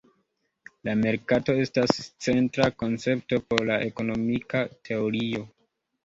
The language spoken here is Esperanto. La merkato estas centra koncepto por la ekonomika teorio.